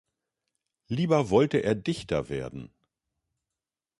Lieber wollte er Dichter werden.